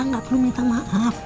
enggak perlu minta maaf